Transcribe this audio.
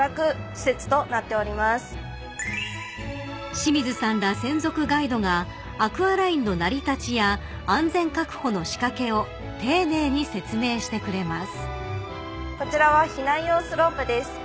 ［清水さんら専属ガイドがアクアラインの成り立ちや安全確保の仕掛けを丁寧に説明してくれます］